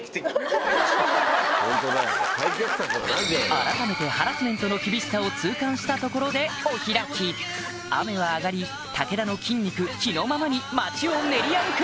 改めてハラスメントの厳しさを痛感したところでお開き雨は上がり武田の筋肉気のままに街を練り歩く